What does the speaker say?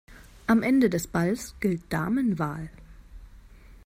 Am Ende des Balls gilt Damenwahl.